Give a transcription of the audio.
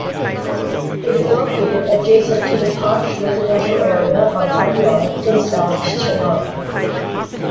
It is located adjacent to the posh residential area of Adyar in South Chennai.